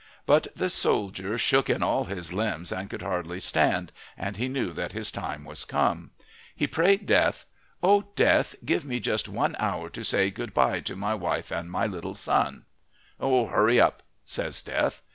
But the soldier shook in all his limbs and could hardly stand, and he knew that his time was come. He prayed Death: "O Death, give me just one hour to say good bye to my wife and my little son." "Hurry up!" says Death.